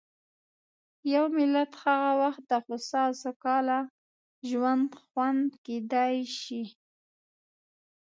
یو ملت هغه وخت د هوسا او سوکاله ژوند خاوند کېدای شي.